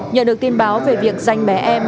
nhận được tin báo về việc danh bé em